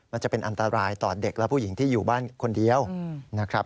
มันจะเป็นอันตรายต่อเด็กและผู้หญิงที่อยู่บ้านคนเดียวนะครับ